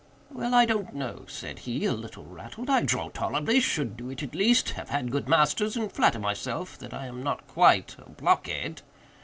"Well, I don't know," said he, a little nettled, "I draw tolerably—should do it at least—have had good masters, and flatter myself that I am not quite a blockhead."